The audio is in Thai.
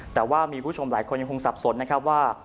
แต่ว่ามีคุณผู้ชมหลายคนยังคงสับสนว่า